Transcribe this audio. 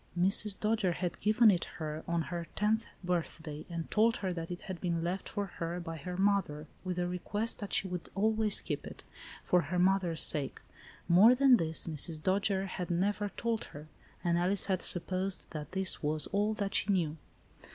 Mrs. Dojere had given it her, on her tenth birthday, and told her that it had been left for her, by her mother, with a request that she would always keep it, for her mother's sake. More than this Mrs. Dojere had never told her, and Alice had sup posed that this was all that she knew.